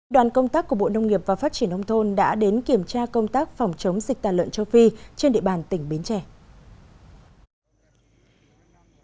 đoàn công tác của bộ nông nghiệp và phát triển nông thôn đã đến kiểm tra công tác phòng chống dịch tả lợn châu phi trên địa bàn tỉnh bến tre